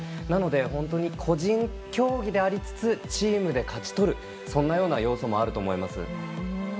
なので、個人競技でありつつチームで勝ち取るそんな要素もあると思います。